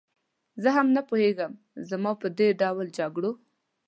زه هم نه پوهېږم، زما په دې ډول جګړو.